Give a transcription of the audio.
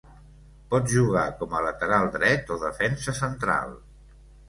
Pot jugar com a lateral dret o defensa central.